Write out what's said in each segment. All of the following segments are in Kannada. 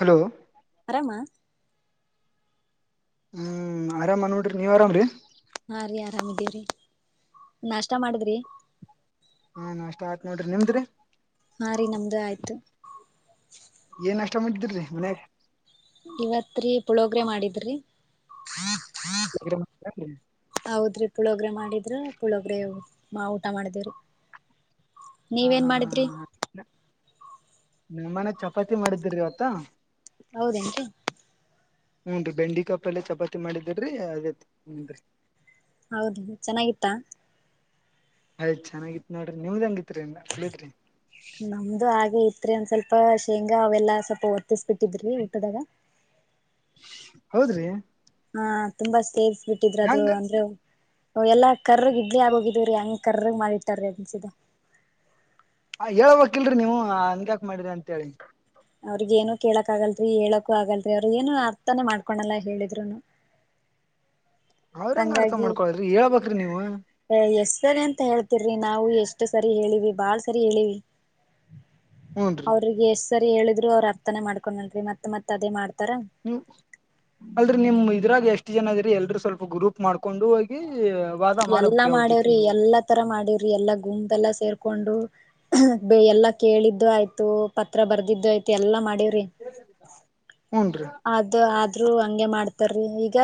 ಹಲೋ, ಅರಾಮಾ, ಹ್ಮ್ರ ಆರಾಮ್ ನೋಡ್ರಿ ನೀವ್ ಆರಾಮ್ರಿ. ಹಾ, ರೀ ಆರಾಮಿದೀವ್ರಿ ನಾಷ್ಟ ಮಾಡಿದ್ರಿ. ಹಾ, ನಾಸ್ಟಹಾತ್ ನೋಡ್ರಿ ನಿಮ್ದ್ರಿ., ಹಾ,. ರಿ ನಮ್ದು ಆಯ್ತು ಏನ್ ನಾಷ್ಟ ಮಾಡಿದ್ರ್ರಿ ಮನ್ಯಾಗ. ಇವತ್ರಿ ಪುಳೋಗ್ರೆ ಮಾಡಿದ್ರಿ, ಹ [unintelligible] ಹಾ ಹೌದ್ರಿ ಪುಳೋಗ್ರೆ ಮಾಡಿದ- ್ರ ಪುಳೋಗ್ರೆ ಮಾ ಊಟ ಮಾಡಿದೇವ್ರ [unintelligible] ಹಾ, ಹಾ, ಹಾ, ಹಾ ನಮ್ಮಮನೆಗ ಚಪಾತಿ ಮಾಡಿದಿರಿ ಇವತ್ತಾ. ಹೌದೇನ್ರಿ ಹ್ಮ್, ನ್ರಿ ಬೆಂಡೆ ಕಾ ಯಿಪಲ್ಯ ಚಪಾತಿ ಮಾಡಿದ್ದಿರಿ ಅದೇತಿ ಹನ್ರಿ- ಹೌದೇನಚೆನ್ನಾಗಿತ್ತಾ. ಅಯ್ ಚೆನ್ನಾಗಿತ್ತು ನೋಡ್ರಿ ನಿಮ್ದಂಗಿತ್ತು. ನಮ್ದು ಹಾಗೆ ಇತ್ರಿ ಒಂದ ಸ್ವಲ್ಪ ಶೇಂಗಾ ಅವೆಲ್ಲಾ ಸ್ವಲ್ಪ ಓ- ತ್ತಿಸಿಬಿಟ್ಟಿದ್ರಿ ಊಟದಾಗ. ಹೌದ್ರಿ, - ಹಾ ತುಂಬಾ ಸೇರ್ಸ್ ಬಿಿಟ್ಟಿದ್ರ ಅದು ಅಂದ್ರೆ ಎಲ್ಲಾ ಕರ್ರಗ್ ಇಡ್ಲಿ ಆಗೋಗಿದೀವ್ರೀ ಹಂಗ್ ಕರ್ರಗ್ ಮಾಡಿಟ್ಟಾರೀ ಅನ್ಸಿದೆ ಹ ಹ ಹೇಳಳ್ಬೇಕಕ್ಿಲ್ರರಿ ನೀವು ಹಂಗ್ಯಾಕ್ ಮಾಡಿ್ರಿ ಅಂತೇಳಿ ಅವ್ರಿಗ ಏನು ಕೇಳಕ್ ಆಗಲ್ರರಿ ಹೇಳಕೂ ಆಗಲ್ರಿ ಅವ್ರ ಏನು ಅರ್ಥನೆೇ ಮಾಡ್ಕೊಳಲ್ಲ ಹೇಳಿದ್ರುನು ಅವ್ರಂಗ ಅರ್ಥ ಹಂಗಾಗಿ ಮಾಡ್ಕೊಳ್ರಿ ಹೇಳ್ಬೇಕ್ರಿ ನೀವು ಎಷ್ಟದೆ ಅಂತ ಹೇಳ್ತೀರ ನಾವು ಎಷ್ಟು ಸರಿ ಹೇಳಿವಿ ಬಾಳ ಸರಿ ಹೇಳಿವಿ ಹೂನ್ರಿ ಅವ್ರಿಗೆ ಎಷ್ಟ ಸರಿ ಹೇಳಿದ್ರು ಅವ್ರ ಅರ್ಥನೆ ಮಾಡ್ಕೊಂಡ್ ನನ್ ಮತ್ತತ್ದೇ ಮಾಡ್ತ ನೀ ಅಲ್ರಿೀ ನಿಮ ಇದ್ರಾಗ ಎಷ್ಟ್ ಜನ ಇದ್ರಿ ಎಲ್ರುೂ ಸ್ವಲ್ಪ ಗ್ರೂಪ್ ಮಾಡ್ಕೊಂಡು ಹೋಗಿ ವಾದ ಎಲ್ಲಾ ಮಾಡ್ಬೇಕ್ರಿ ಅವ್ರ ಜೊತೆ ಮಾಡೇವ್ರಿ ನೀವು ಎಲ್ಲಾ ತರ ಮಾಡೇವ್ರಿ ಎಲ್ಲಾ ಗುಂಪೆಲ್ಲಾ ಸೇರ್ ಕೊಂಡು ಎಲ್ಲ ಕೇಳಿದ್ದು ಆಯ್ತು ಪತ್ರ ಬರೆದಿದ್ದು ಆಯ್ತು ಎಲ್ಲಾ ಮಾಡ ಹುನ್ ರೀ ಅದ ಆದ್ರೂ ಹಂಗೆ ಮಾಡ್ತಾರಿ ಈಗ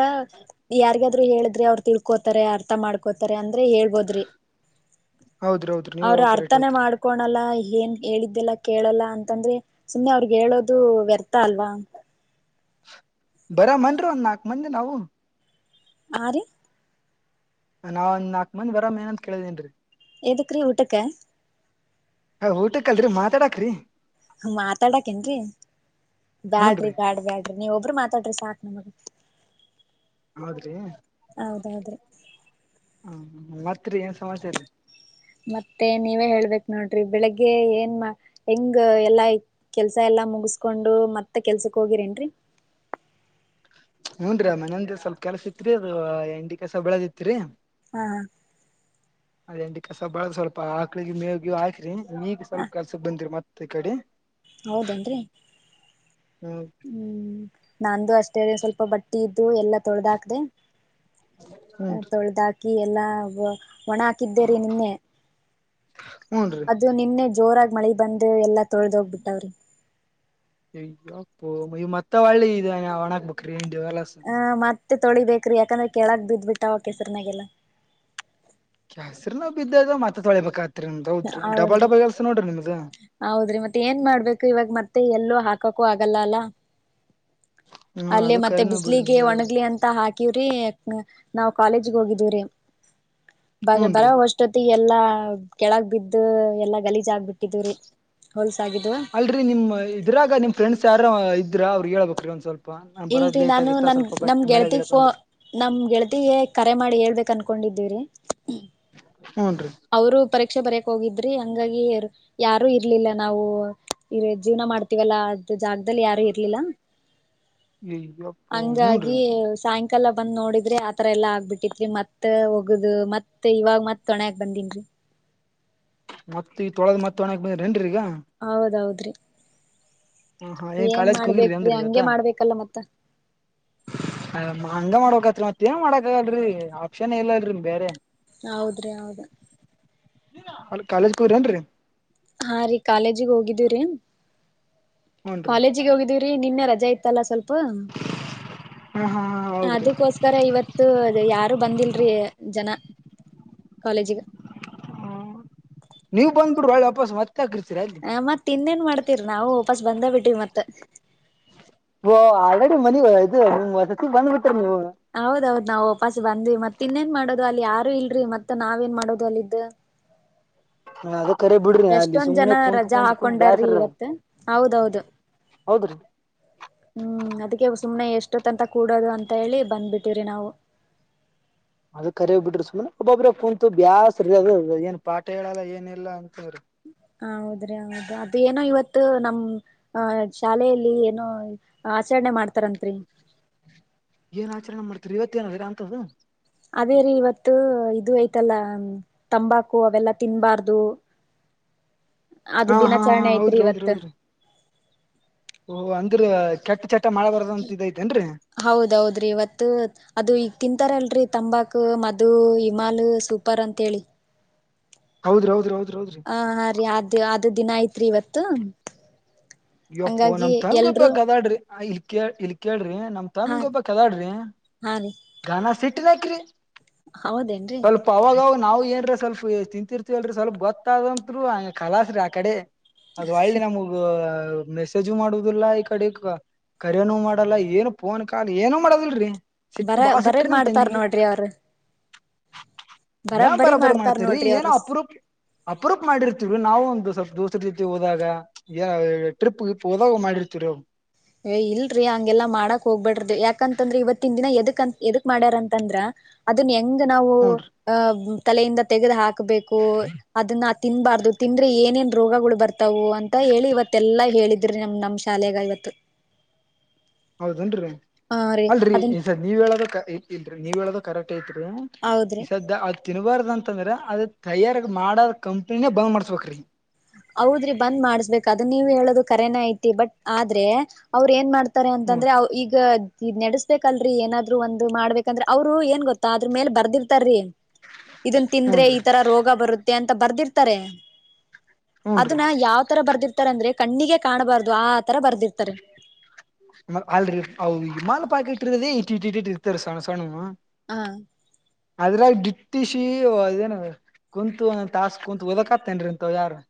ಯಾರಿಗಾದ್ರು ಹೇಳಿದ್ರಿ ಅವ್ರು ತಿಳ್ಕೋತಾರೆ ಅರ್ಥ ಮಾಡ್ಕೋತಾರೆ ಅಂದ್ರೆ ಹೇಳ್ಬೋದ್ರಿ ಹೌದ್ರಿ ಹೌದ್ರಿ ನೀವ್ ಅವ್ರ ಹೇಳೋ ಕರೆಕ್ಟ್ ಅರ್ಥನೇ ಐತ್ರಿ ಮಾಡ್ಕೋಳಲ್ಲ ಏನ್ ಹೇಳಿದ್ದೆಲ್ಲ ಕೇಳಲ್ಲ ಅಂತಂದ್ರೆ ಸುಮ್ಮ್ನೆ ಅವ್ರಗ್ ಹೇಳೋದು ವ್ಯರ್ಥ ಅಲ್ವಾ ಬರ [unintelligible] ಒಂದ್ ನಾಲ್ಕ ಮಂದಿ ನಾವು ಆ ರಿ ನಾವು ಒಂದ ನಾಕ್ ಮಂದಿ ಬರೋ ಮ ಏನ ಅಂತ ಕೇಳಿದೇನ್ರೀ ಎದ ಕ್ರೀ ಊಟಕ್ಕೆ ಹ ಊಟಕ್ಕಲ್ರರಿ ಮಾತಾಡಕ್ರೀ ಮಾತಾಡಾಕೇನ್ರರಿ ಬ್ಯಾಡ್ರಿ ಹೂನ್ರಿ ಬ್ಯಾಡ ಬ್ಯಾಡ್ರಿ ನೀವ ಒಬ್ರ ಮಾತ ತಾಡ್ರಿ ಸಾಕ್ ನಮಗೆ ಆದ್ರಿ ಹ್ಮ ಹ್ಮ ಮತ್ರಿ ಏನ್ ಸಮಾಚಾರ ರಿ ಮತ್ತೆ ನೀವೇ ಹೇಳ್ಬೇಕ ನೋಡ್ರಿ ಬೆಳಿಗ್ಗೆ ಏನ್ ಹೆಂಗ ಎಲ್ಲಾ ಕೆಲ್ಸ ಎಲ್ಲಾ ಲ್ಲ ಮುಗಸ್ಕೊಂಡು ಮತ್ತ ಕೆಲ್ಸಕ್ ಹೋಗಿರೇನ್ರಿ ನೂನ್್ರ [inaudible] ಮನಂದ ಸ್ವಲ್ಪ ಕೆಲಸ ಇತ್ರಿ ಅದು ಎಂಡಿ ಕಸ ಬೆಳದಿತ್ರಿ ಹಾ ಅದೇ ಅಂಡಿ ಕಸ ಬಾಳಗ್ ಸ್ವಲ್ಪ ಆಕ್ಳಿಗೆ ಮೇಗಿ ಹಾಕ್ರಿ ಈಗ ಸ್ವಲ್ಪ ಕೆಲ್ಸ ಬಂದಿರಿ ಮತ್ತೆ ತ ಕಡಿ ಹೌದೇನ್ರೀ ಹ್ಮ್ ಹ್ಮ್ ನಂದು ಅಷ್ಟ ಅಷ್ಟ ಸ್ವಲ್ಪ ಬಟ್ಟಿ ಇದ್ದು ಎಲ್ಲ ತೊಳೆದ್ ಹಾಕ್ದೆ ಹೂನ್ರಿ ತೊಳದಾಕ ಹಾಕಿ ಎಲ್ಲಾ ಒಣ ಹಾಕಿದ್ದೇರಿ ನಿನ್ನೆ ಹೂನ್ರಿ ಅದು ನಿನ್ನೆ ಜೋರಾಗಿ ಮಳಿ ಬಂದು ಎಲ್ಲಾ ತೊಳ್ದ ಹೋಗ್ಬಿಟ್ಟಾವ್ರಿ ಅಯ್ಯಪ್ಪೋ ಮತ್ತೆ ಒಳ್ಳಿ ಇದೆ ಒಣಾಕ್ಬೇಕ್ರಿ ಹೊಲಸ ಹ ಮತ್ತೆ ತೊಳಿಬೇಕ್ರಿ ಯಾಕಂದ್ರೆ ಕೆಳಗ್ ಬ್ಬಿಟ್ಟ ಅವ ಕೆಸರಿನಾಗೆಲ್ಲ ಕ್ಯಾಸ್ರನ ಬಿದ್ದದದು ಮತ ತೊಳಿಬೇಕತ ಹೌದ್ರಿ ಹೌದ್ರಿ ಮತ್ತೆ ಏನ್ ಮಾಡ್ಬೇಕು ಇವಾಗ ಮತ್ತೆ ಎಲ್ಲೋ ಹಾಕ ಪಕ್ಕಕ್ಕೂ ಆಗಲ್ಲ ಅಲ್ಲ ಹ್ಮ ಅಲ್ಲೇ ಅದು ಮತ್ತೆ ಕರಿನ ಬಿಡ್ರಿ ಬಿಸ್ಲಿಗೆ ನೀವ್ ಹೇಳದ ಒಣಗ್ಲಿ ಅಂತ ಹಾಕಿವ್ರಿ ನಾವು ಕಾಲೇಜಿಗೆ ಹೋಗಿದೀವ್ರಿ ಬ ಹೂನ್ ರೀ ಬರೋವಷ್ಟೊತ್ತಿಗೆ ಎಲ್ಲಾ ಕೆಳಗ್ ಬಿದ್ದು ಎಲ್ಲಾ ಗಲೀಜ ಆಗ್ಬ ಬಿಟ್ಟಿದವ್ರೀ ಹೊಲ್ಸ ಅಲ್ರರಿ ನಿಮ್ ಇದ್ರಾಗ ನಿಮ್ ಫ್ರೆಂಡ್ಸ್ ಯಾರ ಇದ್ರ ಅವ್ರಗ್ ಹೇಳ್ಬೇಕಕ್ ರಿ ಒಂದ್ ಸ್ವಲ್ಪ ನಾನ್ ಬರೋದ್ ಇಲ್ರರಿ ಲೇಟ್ ನಾನು ಆಗುತ್ತಾ ನಮ ಸ್ವಲ್ಪ ಬಟ್ ನಮ್ ಮಳೆ ಗಿಳೆ ಗೆಳತಿಗ್ೋ ಬಂದ್ರ ನಮ್ ಗೆಳತಿಗೆ ಕರೆ ಮಾಡಿ ಹೇಳ್ಬೇಕನ್ಕ ಕಕೊಂಡಿದ್ದೀರಿ ಹೂನ್ ರೀ ಅವರು ಪರೀಕ್ಷೆ ಬರೆಯಕ್ ಹೋಗಿದ್ದ ರಿ ಹಂಗಾಗಿ ಯಾರ ಯಾರು ಇರ್ಲಿಲ್ಲ ನಾವು ಇ ಜೀವನ ಮಾಡ್ತೀವಲ್ಲಾ ಜಾಗದಲ್ಲಿ ಯಾರು ಇರ್ಲಿಲ್ಲ ಅಯ್ಯಪ್ಪ ಹೂನ್ ರೀ ಹಂಗಾಗಿ ಕಾಲ ಬಂದ್ ನೋಡಿದ್ರೆ ಆತರ ಎಲ್ಲ ಆಗ್ಬಿಟ್ಟಿದತ್ರಿ ಮತ್ ಹೋಗುದು ಮತ್ತೆ ಇವಾಗ ಮತ್ ಹೊಣೆ ಬಂದಿನ್ರಿ ಮತ್ತತ್ ಈಗ ತೊಳದ್ ಮತ್ತತ್ ಒಣಕ್ ಬಂದ್ರ ಹೆಂಡ್ರಿ ಈಗ ಹೌದೌದ್ರಿ ಹಾ ಹಾ ಏನ್ ಕಾಲೇಜ್ಗೆ ಹೋಗಿರಿ ಮಾಡ್ಬೇಕ್ರಿ ಅಂದ್ರಿ ಇವತ್ತ ಹಂಗೆ ಮಾಡ್ಬೇಕಲ್ಲ ಮತ್ತ. ಹಂಗ ಮಾಡ್ಬೇಕತ್ರಿ ಮತ್ತೇನ್ ಮಾಡಕ್ ಆಗಲ್ಲ್ರಿ ಆಪ್ಷನ್ ಇಲ್ಲ ಇದ್ರಲ್ಲಿ ಬೇರೆ ಹೌದ್ರಿ ಹೌದು ಅ ಕಾಲೇಜ್ಗೆ ಹೋಗಿದೇರಿ ಹಾ ರೀ ಕಾಲೇಜಿಗೆ ಹೋಗಿದ್ದೀವ್ರರಿ ಹೂನ್ರಿ ಕಾಲೇಜಿಗೆ ಹೋಗಿದೀವ್ರೀ ನಿನ್ನೆ ರಜೆ ರಜೆ ಇತ್ತಲ್ಲ ಸ್ವಲ್ಪ ಹಾ ಹಾ ಹಾ ಹೌದ್ರಿ ಅದಿಕೋಸ್ಕರ ಇವತ್ತು ಯಾರು ಬಂದಿಲ್ರಿ ಜನ ಕಾಲೇಜಿಗೆ ಹ್ಮ ನೀವ್ ಬಂದುಬಿಡುವ ವಾಪಸ್ ಮತ್ತೆ ಹ ಮತ್ತ್ ಇನ್ನೇನ್ ಮಾಡ್ತೀರಿ ನಾವು ವಾಪಸ್ ಬಂದೇ ಬಿಟವಿ ಮತ್ತ ಓ ಆಲ್ರೆಡಿ ಮನ ಇದು ಅದುಕ್ಕೆ ಬಂದುಬಿಟ್ಟ ಹೌದೌದ್ ನಾವು ವಾಪಾಸ್ ನ್ರಿ ಮತ್ತ ಇನ್ನೇನ್ ಮಾಡೋದು ಅಲ್ಲಿ ಯಾರು ಇಲ್ರರಿ ಮತ್ತತ್ ನಾವ್ಏನ್ ಮಾಡೋದು ಅಲ್ಲಿದ್ದ ಹ್ಮ ಅದು ಕರೆ ಬಿಡ್ರಿ ಅಲ್ಲಿ ಎಷ್ಟೊಂದ್ ಜನ ಸುಮ್ಮ್ನೆ ಕುೂತ್ ರಜಾ ಕುೂತ್ ಕುತ್ ಹಾಕೊಂಡಾರ್ರಿ ಬ್ಯಾಸ್ರದ ಇವತ್ ಹೌದೌದು ಹೌದ್ರಿ ಹ್ಮ್ ಅದಕ್ಕೆ ಸುಮ್ನೆ ಎಷ್ಟೊತ್ ಅಂತ ಕೂಡೋದು ಅಂತ ಹೇಳಿ ಬಂದ್ಬಿಟ್ಟಿರಿ ನಾವು ಅದ ಕರೆ ಬಿಡ್ರಿ ಸುಮ್ ಒಬ್ಬೊಬ್ಬ್ರ ಕುೂಂತು ಬ್ಯಾಸ ಅ ಏನ್ ಪಾಠ ಹೇಳಲ್ಲ ಏನ್ ಇಲ್ಲಾ ಅಂತಿ ಹೌದ್ರಿ ಹೌದ ಅದು ಏನೋ ಇವತ್ತು ನಮ್ ಅ ಶಾಲೆಯಲ್ಲಿ ಏನೋ ಆಚಾರಣೆ ಮಾಡ್ತಾರಂತ್ರಿ ಏನ್ ಆಚರಣೆ ಮಾಡ್ತೀರಿ ಇವತ್ತೇಏನೀರಾ ಅಂತ್ದು ಅದೇರೀ ಇವತ್ತು ಇದು ಐ್ತಲ್ಲ ತಂಬಾಕು ಅವೆಲ್ಲಾ ತಿನ್ಬಾರ್ದು ಅದು ಹಾ ಹಾ ಹಾ ದಿನಾಚರಣೆ ಐತ್ರಿ ಇವತ್ತು ಓ ಅಂದ್ರ ಕೆಟ್ಟ ಚಟ್ಟ ಹೌದೌದ್ರಿ ಇವತ್ತು ಅದು ಈಗ ತಿಂತಾರಲ್ರರಿ ತಂಬಾಕು ಮಧು ಇಮಲು ಸೂಪರ್ ಅಂತೇಳಿ ಹೌದ್ರಿ ಹೌದ್ರಿ ಹೌದ್ರಿ ಹೌದ್ರಿ ಹ ರೀ ಆದ ಆದು ದಿನ ಐತ್ರಿ ಇವತ್ತು ಇ್ಯಪ್ಪೋ ಹಂಗಾಗಿ ನಮ್ ತಂಗ ಇಪ್ಪ ಎಲ್ರೂ ಅದಾಡ್ರಿ ಇಲ್ ಇಲ್ ಕೇಳ್ರಿ ನಮ್ ಹಾ ತಂಗಿ ಒಬ್ಬಕಿ ಅದಳ್ರಿ ಗನ ಸಿಟ್ಟಿನಕ್ರಿ ಹೌದೇನ್ರರಿ ನಾವು ಏನ್ರೀ ಸ್ವಲ್ಪ್ ತಿಂತರ್ತಿವಲ್ರೀ ಸ್ವಲ್ಪ ಗೊತ್ತಾದಂತ್ರು ಹಂಗ ಕಲಾಶ್ರಿ ಆ ಕಡೆ ಅದು ಒಳ್ಳೆ ನಮಗ ಮೆಸೇಜು ಮಾಡುದಿಲ್ಲ ಈ ಕಡೆ ಕರೇನು ಮಾಡಲ್ಲ ಏನು ಫೋನ್ ಕಾಲ್ ಏನು ಮಾಡದಲ್ರರಿ ಸಿಟ್ಟು ಬರ ಬಾಳ ಸಿಟ್ಟ್ರಿ ಬರಗ್ ನಮ ಮಾಡ್ತಾರ್ ತಂಗಿಗೆ ನೋಡ್ರಿ ಅವ್ರ ಏನ್ ಬರಬ್ಬರಿ ಬರಾಬರಿ ಮಾಡ್ತಾರ್ ಮಾಡ್ತಾರೀ ನೋಡ್ರಿ ಏನೋ ಅವ್ರ ಅಪ್ರೂಪ್ ಅಪ್ರೂಪ್ ಮಾಡಿರ್ತಿವರು ನಾವು ಒಂದು ಸ್ವಲ್ಪ ದೋ ತಿ ಹೋದಾಗ ಯ ಟ್ರಿಪ್ ಹೋದಾಗ ಮಾಡಿರ್ತಿವಿ ಏ ಇಲ್ರರಿ ಹಂಗೆಲ್ಲಾ ಮಾಡಕ್ ಹೋಗ್ಬೇಡ್ರ್ದಿ ಯಾಕಂತಂದ್ರ ಇವತ್ತಿನ ದಿನ ಎದಕ್ ಅ ಎದಕ್ ಮಾಡ್ಯಾರಂತಂದ್ರ ಅದನ್ನ ಹೆಂಗ ನಾವು ಹೂನ್ರಿ ಅಹ ತಲೆಯಿಂದ ತೆಗೆದು ಹಾಕ್ಬೇಕು ಅದನ್ನ ತಿನ್ಬಾರ್ದು ತಿಂದ್ರೆ ಏನೇನು ರೋಗಗಳು ಬರ್ತವು ಅಂತ ಹೇಳಿ ಇವತ್ತಲ್ಲಾ ಹೇಳಿದ್ರಿ ನಮ ನಮ್ಮ ಶಾಲೆಗ ಇವತ್ತು ಹೌದನ್ರರಿ ಹಾ ರೀ ಅಲ್ರರಿ ಅದನ್ ಈ ನೀವ್ ಹೇಳದ ಇಲ್ರಿ ನೀವ್ ಹೇಳದ ಕರೆಕ್ಟ್ ಐತ್ರಿ ಹಾ ಹೌದ್ರಿ ಸದ್ಯ ತಿನ್ಬಾರ್ದ ಅಂತಂದ್ರ ಅದ ತಯಾರಾಗ ಮಾಡದ ಕಂಪ್ನಿನೇ ಬಂದ್ ಮಾಡಸ್ಬೇಕ್ರಿ ಹೌದ್ರಿ ಬಂದ್ ಮಾಡ್ಸ್ಬೇಕಕ್ ಅದು ನೀವ ಹೇಳೋದು ಕರೆೇನ ಐತಿ ಬಟ್ ಆದ್ರೆ ಅವ್ರ ಏನ್ ಮಾಡ್ತ ತಾರೆ ಅಂತಂದ್ರೆ ಹೂನ್ರಿ ಅವ ಈಗ ಇದ ನಡ್ಸ್ಬೇಕ ಅಲ್ರರಿ ಏನಾದ್ರು ಒಂದು ಮಾಡ್ಬೇಕಂದ್ರೆ ಅವ್ರು ಏನ್ ಗೊತ್ತಾ ಅದ್ರ ಮೇಲೆ ಬರ್ದಿರ್ತಾರೀ ಇದನ್ ತಿಂದ್ರೆ ಹೂನ್ರಿ ಈತರ ರೋಗ ಬರುತ್ತೆ ಅಂತ ಬರ್ದಿರ್ತಾರೆ ಹೂನ್ರಿ ಅದನ್ನ ಯಾವ್ ತರ ಬರ್ದಿರ್ತಾರ ಅಂದ್ರೆ ಕಣ್ಣಿಗೆ ಕಾಣಬಾರ್ದು ಆ ತರ ಬರ್ದಿರ್ತಾರೆ. ಅಲ್ರಿ ಹದು ಮಾಲ್ ಪ್ಯಾಕೆಟ್ ಇಟ್ಟೇ ಇಟ್ ಇಟ್ ಇಟ್ ಇರ್ತಾವ ಸಣ್ಣ ಸಣ್ಣವು ಹಾ ಅದ್ರಾಗ ಡಿಟ್ಟಿ ಶ ಅದೇನ [unintelligible] ಕುಂತು ಒಂದ ತಾಸ ಕುಂತು ಓದಕತೇನ್ರಿ ಅಂತ ಯಾರು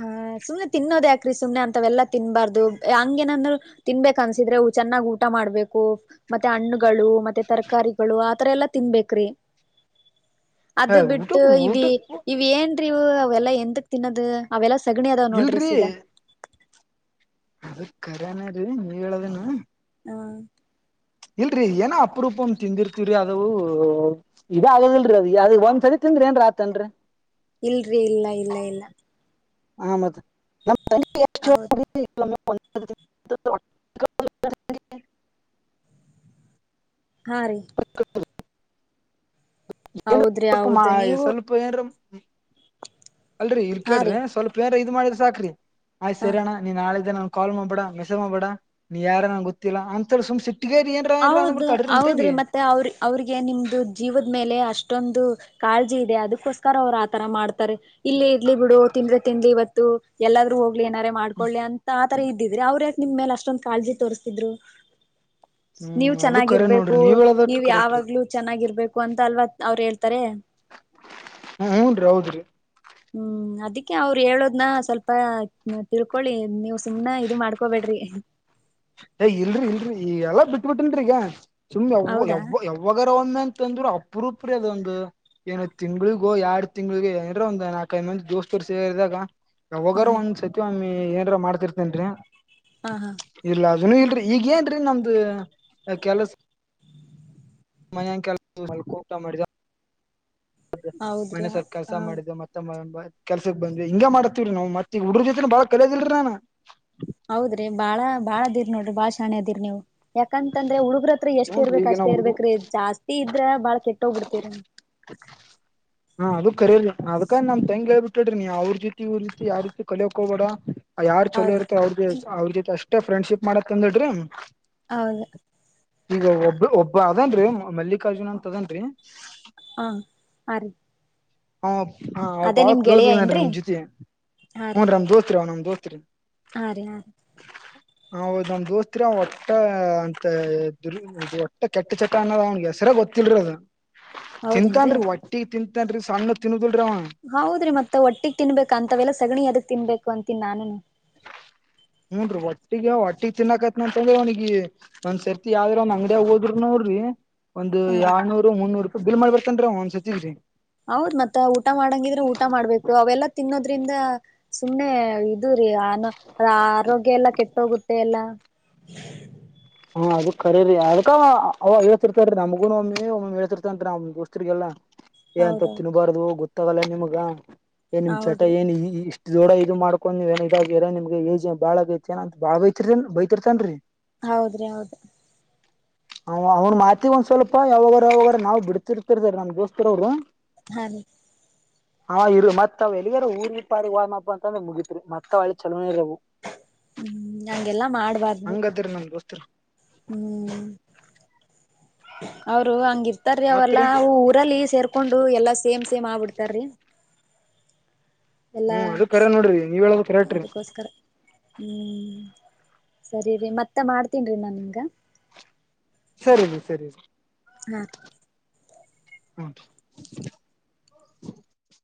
ಹ ಸುಮ್ನೆ ತಿನ್ನೋದ ಯಾಕ್ರಿ ಸುಮ್ನೆ ಅಂತವೆಲ್ಲಾ ತಿನ್ಬಾರ್ದ ಹಂಗೇಏನಾದ್ರು ತಿನ್ಬೇಕ ಅನ್ಸಿದ್ರೆ ಚೆನ್ನಗ್ ಊಟ ಮಾಡ್ಬೇಕು ಮತ್ತೆ ಹಣ್ಣಗಳು ಮತ್ತೆ ತರಕಾರಿಗಳು ಆತರ ಎಲ್ಲಾ ತಿನ್ಬೇಕ್ರಿ ಹ ಅದು ಬಿಟ್ಟು ಊಟಕ್ ಇವಿ ಊಟಕ್ ಇವ ಏನ್ರೀ ಇವು ಅವೆಲ್ಲಾ ಎಂದಕ್ ತಿನ್ನದು ಅವೆಲ್ಲ ಸಗಣಿ ಅದಾವ್ ನೋಡ್ರಿ ಇಲ್ರಿ ಸೀದಾ ಅದಖರಿನ ರೀ ನೀವ ಹೇಳದೇನು ಹಾ ಇಲ್ರರಿ ಏನೋ ಅಪರೂಪ ತಿಂದಿರ್ತಿವ್ರಿ ಅದು ಇದೇ ಆಗದಿಲ್ರರಿ ಅದ ಅ ಒಂದ್ಸರಿ ಏನ್ ರಾತ್ನ್ರಿ ಇಲ್ರಿ ಇಲ್ಲ ಇಲ್ಲ ಇಲ್ಲ ಆ ಮತ್ ನ ಹೌದ್ [unintelligible] [unintelligible] [inaudible] ಹಾ ರೀ ಏನ್ [unintelligible] ಹೌದ್ರಿ ಸ್ವಲ್ಪ ಮಾ ಹೌದು ನೀವು ಸ್ವಲ್ಪ ಏನ್ರು ಹ್ಮ ಅಲ್ರರಿ ಇರ್ ಹಾ ಕೇಳ್ರಿ ರೀ ಸ್ವಲ್ಪ ಏನ್ ಇದ ಮಾಡಿದ್ರ ಸಾಕ್ರಿ ಆಯ್ತ್ ಹಾ ಸರಿ ಅಣ್ಣ ನೀನ್ ನಾಳೆ ಕಲ್ ಮಾಡಬೇಡ ಮೆಸೇಜ್ ಮಾಡಬೇಡ ನೀ ಯಾರ ನನ್ ಗೊತ್ತಿಲ್ಲ ಅಂತ ಸುಮ್ ಸಿ ಹೌದು ಹೌದ್ರಿ ಮತ್ತೆ ಅವ್ರ ಅವ್ರಿಗೆ ನಿಮ್ದು ಜೀವದ ಮೇಲೆ ಅಷ್ಟೊಂದು ಕಾಳಜಿ ಇದೆ ಅದಕ್ಕೋಸ್ಕರ ಅವ್ರು ಆತರ ಮಾಡ್ತಾರೆ ಇಲ್ಲಿ ಇಡ್ಲಿ ಬಿಡು ತಿಂದ್ರೆ ತಿಂದಲಿ ಇವತ್ತು ಎಲ್ಲಾದ್ರು ಹೋಗ ಏನಾರ ಮಾಡ್ಕೊಳ್ಳಿ ಅಂತ ಆತರ ಇದ್ದಿದ್ರಿ ಅವ್ರ ಯ ನಿಮ್ ಮೇಲೆ ಅಷ್ಟೊಂದ್ ಕಾಳಜಿ ತೋರಿಸ್ತಿದ್ರು ನೀವ ಹ್ಮ್ ಅದು ಕರೆ ಚೆನ್ನಾಗಿರ್ಬೇಕು ನೋಡ್ರಿ ನೀವ್ ನೀವ ಹೇಳದಟ್ಟು ಕರೆಕ್ಟ್ ರೀ ಯಾವಾಗ್ಲುೂ ಚೆನ್ನಾಗಿರ್ಬೇಕು ಅಂತ ಅಲ್ವಾ ಅವ್ರ ಹೇಳ್ತಾರೆ. ಹ ಹೂನ್ರೀ ಹೌದ್ರಿ ಹ್ಮ್ ಅದಿಕ್ಕೆ ಅವ್ರು ಹೇಳೋದ್ನ ಸ್ವಲ್ಪ ತಿಳ್ಕೊಳ್ಳಿ ನೀವು ಸುಮ್ನೆ ಇದು ಮಾಡ್ಕೊಬೇಕೇ ರಿ ಏ ಇಲ್ರರಿ ಇಲ್ರರಿ ಈ ಎಲ್ಲಾ ಬಿಟ್ಬಿಟ್ಟನ್ರಿ ಈಗ ಸುಮ್ ಯ ಹೌದಾ ಯಾವಾಗ ಒಂದ ಅಂತ ಅಂದ್ರರು ಅಪರೂಪ್ರ ಅದ ಒಂದು ಏನ ತಿಂಗ್ಳಿಗೋ ಎರಡು ತಿಂಗಳಿಗೋ ಏನರ ಒಂದು ನಾಕ ದೋಸ್ತರು ಸೇರಿದಾಗ ಹ ಯಾವಾಗಾರ ಹ ಒಂದ್ ಸತಿ ಒಮ್ಮ ಏನಾರ ಮಾಡ್ತಿರ್ತೇನ್ರಿ ಹಾ ಹಾ ಇಲ್ಲ ಅದನು ಇಲ್ರರಿ ಈಗ ಏನ್ರೀ ನಮ್ದು ಕೆಲಸ ಮನನ್ [unintelligible] ಕೆಸ [unintelligible] ಕೋಟ ಮಾಡಿದ. ಹೌದ್ರಿ ಮನೆ ಸ್ವಲ್ಪ ಕೆಲ್ಸ ಹ ಮಾಡಿದ ಮತ್ತೆ ಕೆಲ್ಸಕ್ ಬಂದ್ರಿ ಹಿಂಗ ಮಾಡತತಿವ್ರೀ ನಾ್ ಮತ್ತ ಈ ಹುಡ್ರ ಜೊತೆನ ಬಾಳ ಕಲಿಯೋದಲ್ರರಿ ನಾ. ಹೌದ್ರಿ ಬಾಳ ಬಾಳ ಅದಿರಿ ನೋಡ್ರಿ ಬಾಳ ಶಾಣೆ ಅದಿರಿ ನೀವು ಯಾಕಂತಂದ್ರೆ ಹುಡುಗ್ರತ್ರ ಎಷ್ಟ ಹ್ಞೂನ್ರಿ ಇರ್ಬೇಕ್ ಈಗ ಅಷ್ಟೇ ನಾವು ಹುಡು ಇರ್ಬೇಕ್ರೀ ಜಾಸ್ತಿ ಇದ್ರ ಬಾಳ ಕೆಟ್ಟೋಗ್ಬ ಬಿಡ್ತವರಿನಿನ್ [inaudible] ಹಾ ಅದು ಕರಿರಿ ಅದಕ ನಮ್ ತಂಗ ಹೇಳ್ಬಟ್ಲು ಬಿಟ್ಟಡ್ರಿ ನೀ ಅವ್ರ ಜೊತಿ ಇ್ರ ರೀತಿ ಯಾವ ರೀತಿ ಕಲಿಯೋಕ ಹಬೇಡ ಯಾರ್ ಚಲೋ ಹೌದ್ ಇರ್ತ್ತ ಅವ್ರಗೆ ಅವ್ರ ಜೊತೆ ಅಷ್ಟೇ ಫ್ರೆಂಡ್ಶಿಪ್ ಮಾಡತ್ ಅಂದಿಡ್ರಿ ಹೌದು ಈಗ ಒಬ್ಬ ಒಬ್ಬ ಅದೇನ್ರಿ ಮಲ್ಲಿಕಾರ್ಜುನ್ ಅಂತ ಅದೇನ್ರಿ ಹಾ ಆರಿ ಹ ಹಾ ಅವ ಬಾಳ ಕ್ಲೋಸ್ ಅದನ್ರೀ ಏನ್ರೀ ನಮ ಜೊತೆ ಹಾ ರೀ ಹ್ನ್ ನಮ್ ದೋಸ್ತ್ರಿ ಅವನ್ಮ್ ದೋಸ್ತ್ರಿ ಹಾ ರೀ ಹಾ ರೀ ಹದ್ ನಮ್ ದೋಸ್ತಿರ ಒಟ್ಟ ಅಂತದು ಒಟ್ಟ ಕೆಟ್ಟ ಚಕ ಅನ್ನೋದ ಅವ್ಗೆ ಹೆಸರ ಗೊತ್ತಿಲ್ರರಿ ಅದ ಹೌದೇನ್ರಿ ತಿಂತನ್ರಿ ಒಟ್ಟಿಗೆ ತಿಂತನ್ರಿ ಸಣ್ಣ ತಿ ಹೌದ್ರಿ ಮತ್ತ ಒಟ್ಟಿಗ್ ತಿನ್ಬೇಕ ಅಂತವೆಲ್ಲ ಸಗಣಿ ಅದಕ್ ತಿನ್ಬೇಕು ಅಂತನಿ ನಾನುನು ಹೂನ್ರೀ ಒಟ್ಟಿಗ ಒಟ್ಟಿ ತಿನ್ನ್ನಕತ್ನ ಅಂತಂದ್ರೆ ಅವನಗ ಒಂದ್ ಸರ್ತಿ ಯಾವ್ದ್ರ ಒಂದ್ ಅಂಗಡ ಹೋದ್ರುನು ನೋಡ್ರಿ ಒಂದು ಹಾ ರೀ ಎರ್ನೂರು ಮುನ್ನೂರು ರೂಪಾಯಿ ಬಿಲ್ ಮಾಡ್ಬೇತನ್ರೀ ಒಂದ್ ಸತಿನ್ರಿ ಹೌದ್ ಮತ್ತ ಊಟ ಮಾಡಂಗಿದ್ರೆ ಊಟ ಮಾಡ್ಬೇಕು ಅವೆಲ್ಲಾ ತಿನ್ನೋದ್ರಿಂದ ಸುಮ್ನೆ ಇದು ಆನ ಆರೋಗ್ಯ ಎಲ್ಲ ಕೆಟ್ಟೋಗುತ್ತೆ ಎಲ್ಲ. ಹ ಅದ ಕರರಿ ಅದಕ್ಕ ಅವೇಳ್ತಿರ್ತನ್ರಿ ನಮ್ಗೂ ಒಮ್ಮಿ ಒಮ್ಮ ಹೇಳ್ತಿತನ್ ನ ಅವಮೋಸ್ಸರಿಗೆಲ್ಲ ಏ ಅಂತ ಹೌದೌದ್ ತಿನ್ಬಾರ್ದದು ಗೊತ್ತಾಗಲ್ಲ ನಿಮಗ ಏ ನಿಮ್ ಚಟ ಹೌದ್ರಿ ಏನ್ ಇಷ್ಟ ದೋಡ ಇದು ಮಾಡ್ಕೊಂಡು ನೀವ ಏ ಇದಾಗ ನಿಮ್ಗೆ ಏ್ ಬಾಳಗಐತೆಏ ಅ ಬಾಳ ಬೈತಿರ್ತನ್ ಬೈತಿರ್ತನ್ೀ ಹೌದ್ರಿ ಹೌದ ಅವ್ನ್ ಮಾತಿಗ್ ಒಂದ್ ಸ್ವಲ್ಪ ಯಾವಾಗಾರ ಯಾವಾಗ ನಾವ್ ಬಿಡ್ತಿರ್ತಿರ್ತಾರೆ ನಮ್ ದೋಸ್ತರ ಅವ್ರು ಹಾ ರೀ ಹಾ ಇರು ಮತ್ ಅವ ಎಲ್ಲಿಗಾರ ಊರ್ ಪಾರಿ ಹೋದ ಅಂತಂದ್ರೆ ಮುಗತ್ರಿ ಮತ್ ಅವ್ಲ್ಲಿ ಚಲೋ ಇರ ಹ್ಮ್ ಹಂಗೆಲ್ಲಾ ಮಾಡ್ಬಾರ್ದ್ರಿ ಪ [unintelligible] ಹ್ಮ್ [unintelligible] ಅವರು ಹಂಗ ಇರ್ತಾರೀ ಮತ್ರಿ ಅವೆಲ್ಲಾ ಊರಲ್ಲಿ ಸೇರ್ಕೊಂಡು ಎಲ್ಲಾ ಸೇಮ್ ಸೇಮ್ ಆಗ್ಬಿಡ್ತಾರಿ ಹ್ಮ್ ಅದು ಕರ ನೋಡ್ರಿ ನೀವ್ ಹೇಳದ ಕರಟ್ರಿ ಅದಕ್ಕೋಸ್ಕರ ಹ್ಮ್ ಸರಿ ರೀ ಮತ್ತೆ ಮಾಡ್ತೀನ್ೀ ನಾ ನಿಮ್ಗ ಸರಿ ರಿ ಸರಿ ಹಾ [unintelligible] ಹ್ಮ್ಮ್ ರಿ [unintelligible]